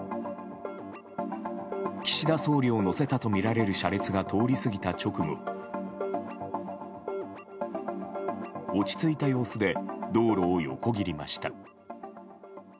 岸田総理を乗せたとみられる車列が通り過ぎた直後落ち着いた様子で道路を横切りました。